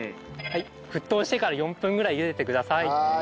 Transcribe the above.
沸騰してから４分ぐらい茹でてください。